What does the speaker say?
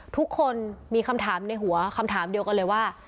ทุกคนมีคำถามในหัวคำถามเดียวกันเลยว่า